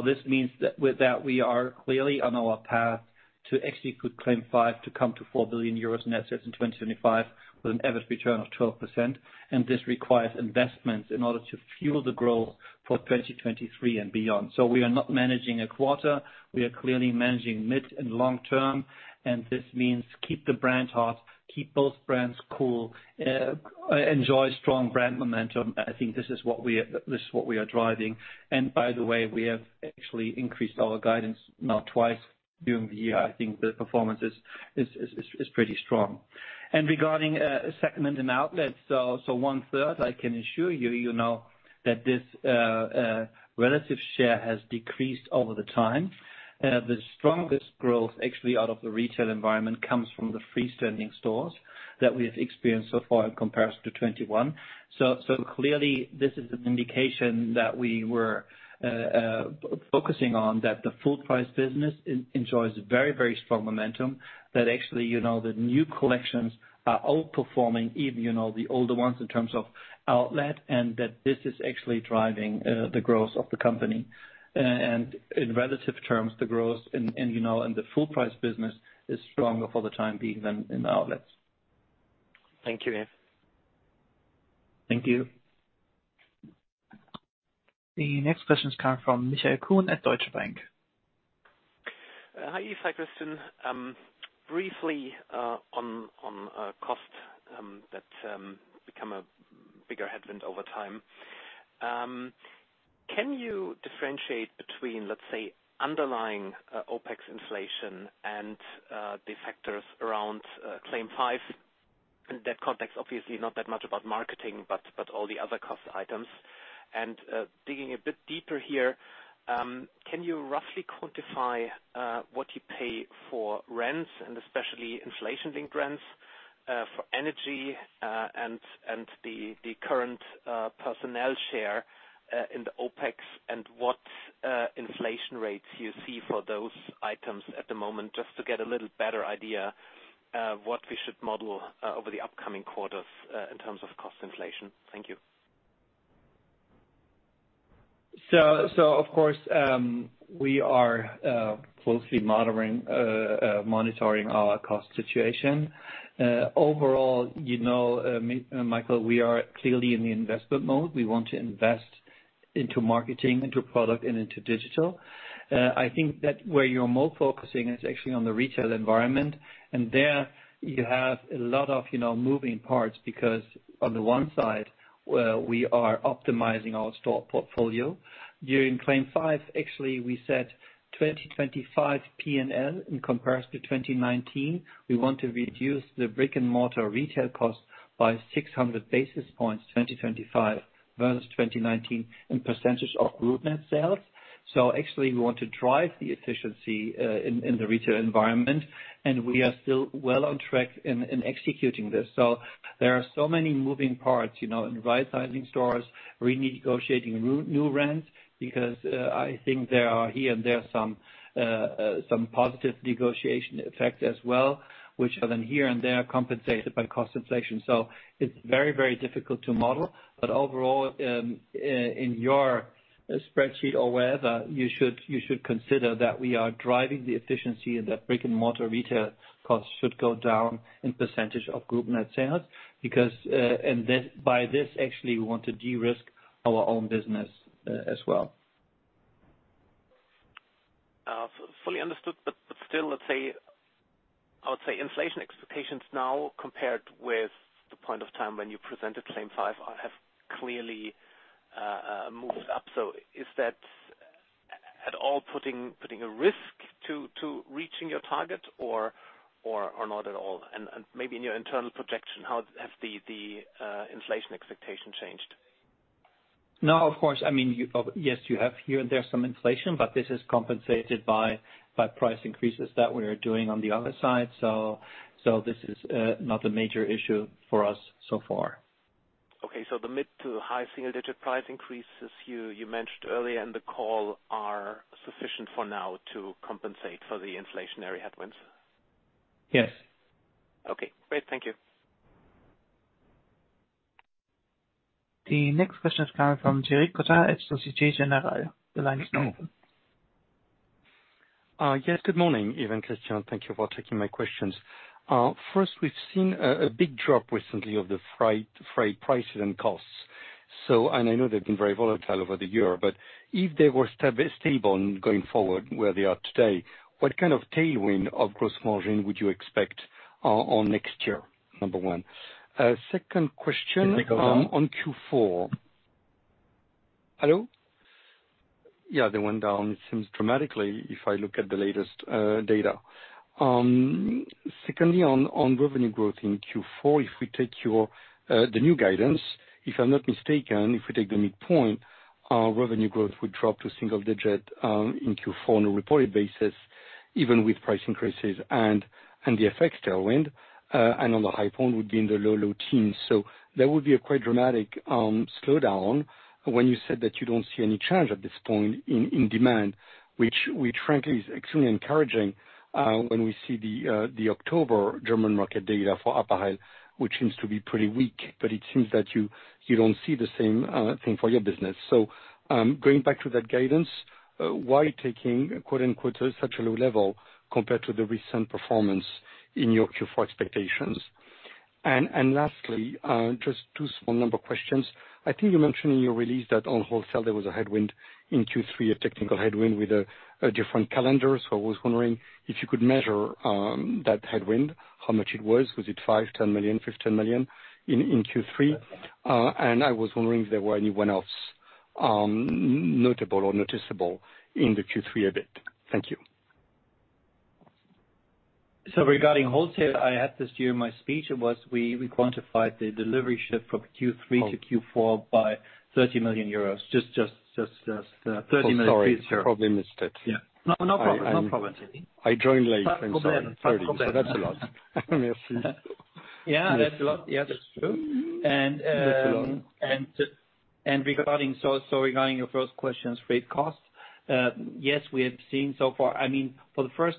Speaker 3: This means that with that, we are clearly on our path to execute Claim 5 to come to 4 billion euros in sales in 2025 with an EBIT return of 12%. This requires investments in order to fuel the growth for 2023 and beyond. We are not managing a quarter, we are clearly managing mid- and long-term, and this means keep the brand hot, keep both brands cool, enjoy strong brand momentum. I think this is what we are driving. By the way, we have actually increased our guidance now twice during the year. I think the performance is pretty strong. Regarding segment and outlets, one-third, I can assure you know that this relative share has decreased over the time. The strongest growth actually out of the retail environment comes from the freestanding stores that we have experienced so far in comparison to 2021. Clearly this is an indication that we were focusing on, that the full price business enjoys very, very strong momentum. That actually, you know, the new collections are outperforming even, you know, the older ones in terms of outlet, and that this is actually driving the growth of the company. In relative terms, the growth and you know and the full price business is stronger for the time being than in the outlets.
Speaker 10: Thank you, Yves Müller.
Speaker 3: Thank you.
Speaker 1: The next question is coming from Michael Kuhn at Deutsche Bank.
Speaker 11: Hi, Yves, Christian. Briefly, on costs that become a bigger headwind over time. Can you differentiate between, let's say, underlying OPEX inflation and the factors around CLAIM 5? In that context, obviously not that much about marketing, but all the other cost items. Digging a bit deeper here, can you roughly quantify what you pay for rents and especially inflation-linked rents, for energy, and the current personnel share in the OPEX and what inflation rates you see for those items at the moment, just to get a little better idea of what we should model over the upcoming quarters, in terms of cost inflation? Thank you.
Speaker 3: Of course, we are closely monitoring our cost situation. Overall, you know, Michael, we are clearly in the investment mode. We want to invest into marketing, into product and into digital. I think that where you're more focused is actually on the retail environment. There you have a lot of, you know, moving parts because on the one side, we are optimizing our store portfolio. During CLAIM 5, actually we said 2025 P&L in comparison to 2019, we want to reduce the brick-and-mortar retail cost by 600 basis points, 2025 versus 2019 as a percentage of group net sales. Actually we want to drive the efficiency in the retail environment, and we are still well on track in executing this. There are so many moving parts, you know, in right-sizing stores, renegotiating new rents, because I think there are here and there some positive negotiation effects as well, which are then here and there compensated by cost inflation. It's very, very difficult to model. Overall, in your spreadsheet or wherever, you should consider that we are driving the efficiency and that brick-and-mortar retail costs should go down in percentage of group net sales. Because by this, actually we want to de-risk our own business, as well.
Speaker 11: Fully understood, but still, let's say, I would say inflation expectations now compared with the point of time when you presented CLAIM 5 have clearly moved up. Is that at all putting a risk to reaching your target or not at all? Maybe in your internal projection, how have the inflation expectation changed?
Speaker 3: No, of course. I mean, you have here and there some inflation, but this is compensated by price increases that we are doing on the other side. This is not a major issue for us so far.
Speaker 11: Okay. The mid- to high-single-digit price increases you mentioned earlier in the call are sufficient for now to compensate for the inflationary headwinds?
Speaker 3: Yes.
Speaker 11: Okay, great. Thank you.
Speaker 1: The next question is coming from Cedric Lecasble at Société Générale. The line is now open.
Speaker 12: Good morning, Yves Müller and Christian Stöhr. Thank you for taking my questions. First, we've seen a big drop recently of the freight prices and costs. I know they've been very volatile over the year. If they were stable going forward where they are today, what kind of tailwind of gross margin would you expect for next year? Number one. Second question.
Speaker 3: They go down.
Speaker 12: On Q4, they went down, it seems dramatically, if I look at the latest data. Secondly, on revenue growth in Q4, if we take your new guidance, if I'm not mistaken, if we take the midpoint, revenue growth would drop to single-digit% in Q4 on a reported basis, even with price increases and the FX tailwind, and on the high point would be in the low teens%. That would be a quite dramatic slowdown when you said that you don't see any change at this point in demand, which frankly is extremely encouraging, when we see the October German market data for apparel, which seems to be pretty weak. It seems that you don't see the same thing for your business. Going back to that guidance, why taking quote-unquote such a low level compared to the recent performance in your Q4 expectations? Lastly, just two small number questions. I think you mentioned in your release that on wholesale there was a headwind in Q3, a technical headwind with a different calendar. I was wondering if you could measure that headwind, how much it was. Was it 5 million, 10 million, 15 million in Q3? And I was wondering if there were anyone else notable or noticeable in the Q3 EBIT. Thank you.
Speaker 3: Regarding wholesale, I had this year my speech, it was we quantified the delivery shift from Q3 to Q4 by 30 million euros. Just thirty million.
Speaker 12: Oh, sorry. Probably missed it.
Speaker 3: Yeah. No, no problem. No problem.
Speaker 12: I joined late and so.
Speaker 3: That's for better.
Speaker 12: That's a lot. Merci.
Speaker 3: Yeah, that's a lot. Yeah, that's true.
Speaker 12: That's a lot.
Speaker 3: Regarding your first questions, freight costs. Yes, we have seen so far. I mean, first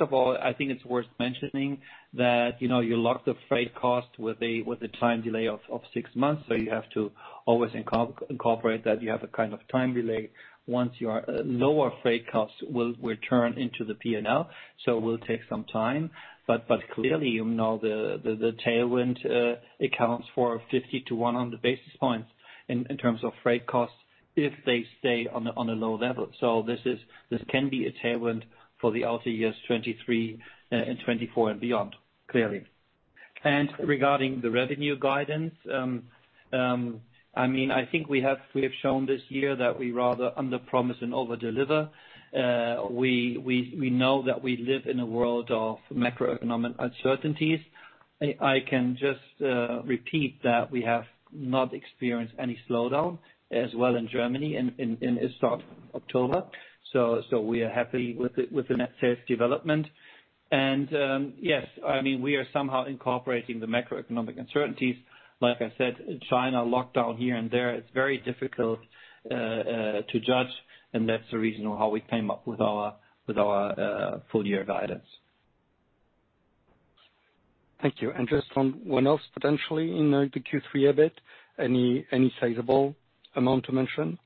Speaker 3: of all, I think it's worth mentioning that, you know, you lock the freight cost with a time delay of six months. You have to always incorporate that you have a kind of time delay. Once your lower freight costs will turn into the P&L, it will take some time. Clearly, you know, the tailwind accounts for 50-100 basis points in terms of freight costs if they stay on a low level. This can be a tailwind for the outer years 2023 and 2024 and beyond, clearly. Regarding the revenue guidance, I mean, I think we have shown this year that we rather underpromise and overdeliver. We know that we live in a world of macroeconomic uncertainties. I can just repeat that we have not experienced any slowdown, as well in Germany as of October. We are happy with the net sales development. Yes, I mean, we are somehow incorporating the macroeconomic uncertainties. Like I said, China lockdown here and there, it's very difficult to judge, and that's the reason how we came up with our full year guidance.
Speaker 12: Thank you. Just on what else potentially in the Q3 a bit, any sizable amount to mention?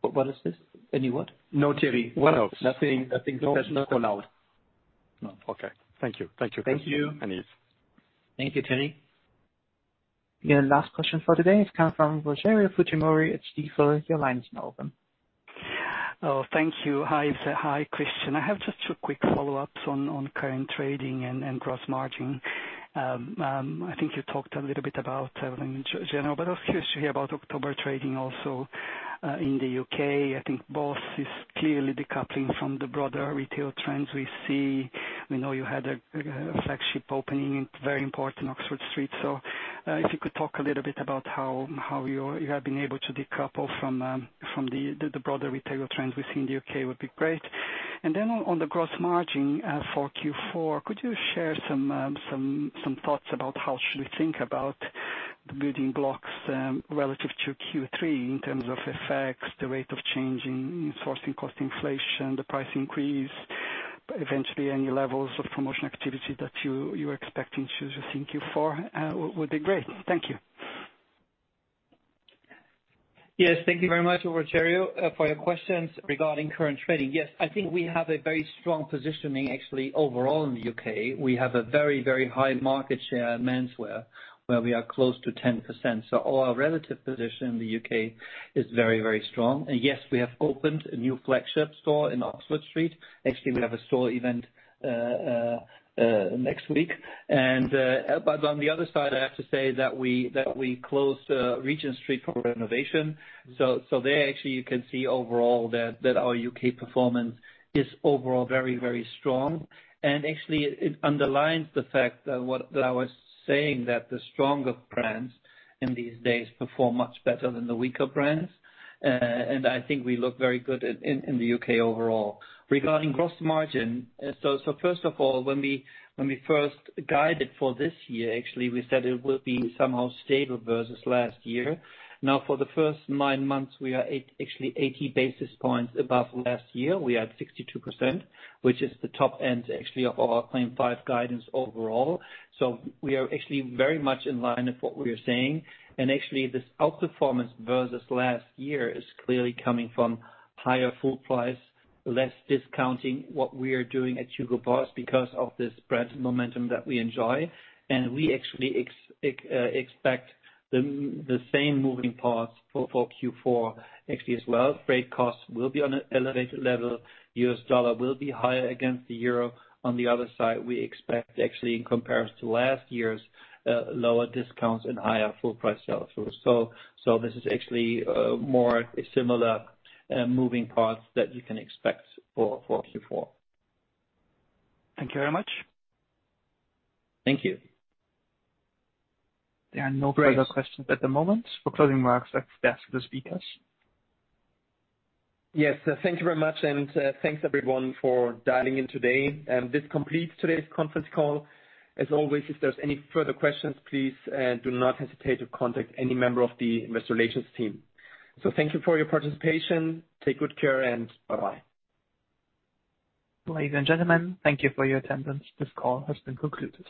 Speaker 3: What is this? Any what?
Speaker 12: No, Cedric Lecasble.
Speaker 3: What else?
Speaker 12: Nothing. Nothing.
Speaker 3: No.
Speaker 12: Just follow up. No. Okay. Thank you. Thank you.
Speaker 3: Thank you.
Speaker 12: Yves.
Speaker 3: Thank you, Cedric Lecasble.
Speaker 1: Yeah. Last question for today. It comes from Rogerio Fujimori at Stifel. Your line is now open.
Speaker 13: Oh, thank you. Hi, Christian. I have just two quick follow-ups on current trading and gross margin. I think you talked a little bit about in general, but I was curious to hear about October trading also in the UK. I think BOSS is clearly decoupling from the broader retail trends we see. We know you had a flagship opening in very important Oxford Street. If you could talk a little bit about how you have been able to decouple from the broader retail trends we see in the UK would be great. On the gross margin for Q4, could you share some thoughts about how should we think about the building blocks relative to Q3 in terms of effects, the rate of change in sourcing cost inflation, the price increase, eventually any levels of promotion activity that you're expecting? That would be great. Thank you.
Speaker 3: Yes. Thank you very much, Rogerio, for your questions regarding current trading. Yes, I think we have a very strong positioning actually overall in the U.K. We have a very, very high market share in menswear where we are close to 10%. Our relative position in the U.K. is very, very strong. Yes, we have opened a new flagship store in Oxford Street. Actually, we have a store event next week. But on the other side, I have to say that we closed Regent Street for renovation. So there, actually, you can see overall that our U.K. performance is overall very, very strong. Actually, it underlines the fact that I was saying that the stronger brands in these days perform much better than the weaker brands. I think we look very good in the UK overall. Regarding gross margin. First of all, when we first guided for this year, actually, we said it will be somehow stable versus last year. Now, for the first nine months, we are 80 basis points above last year. We had 62%, which is the top end actually of our CLAIM five guidance overall. We are actually very much in line with what we are saying. This outperformance versus last year is clearly coming from higher full price, less discounting what we are doing at Hugo Boss because of this brand momentum that we enjoy. We actually expect the same moving parts for Q4 actually as well. Freight costs will be on an elevated level. U.S. dollar will be higher against the euro. On the other side, we expect actually in comparison to last year's lower discounts and higher full price sales. This is actually more a similar moving parts that you can expect for Q4.
Speaker 13: Thank you very much.
Speaker 3: Thank you.
Speaker 1: There are no further questions at the moment for closing remarks at desk of the speakers.
Speaker 3: Yes. Thank you very much and thanks everyone for dialing in today. This completes today's conference call. As always, if there's any further questions, please do not hesitate to contact any member of the investor relations team. Thank you for your participation. Take good care and bye-bye.
Speaker 1: Ladies and gentlemen, thank you for your attendance. This call has been concluded.